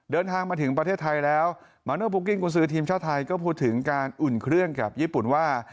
เดินทางมาถึงประเทศไทยแล้วมาโนบูกิ้งกุญซือทีมชาติไทยก็พูดถึงการอุ่นเครื่องกับญี่ปุ่นว่า